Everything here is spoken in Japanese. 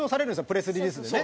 プレスリリースでね。